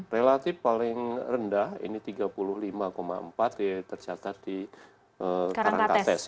relatif paling rendah ini tiga puluh lima empat tercatat di karangkates